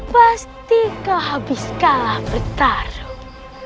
pasti kau habis kalah bertarung